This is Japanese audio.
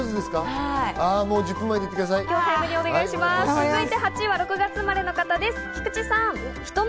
続いて８位は６月生まれの方です、菊地さん。